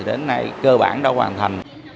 đến nay cơ bản đã hoàn thành